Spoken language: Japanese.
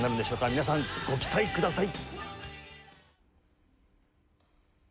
皆さんご期待ください。